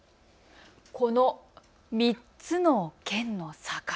この３つの県の境。